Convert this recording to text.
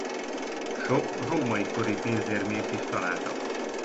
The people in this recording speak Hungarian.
Sok római kori pénzérmét is találtak.